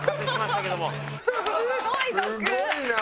すごいな！